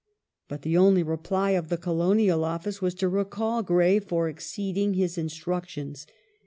But the only reply of the Colonial Office was to recall Grey for exceeding his instructions.